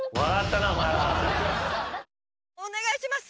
お願いします。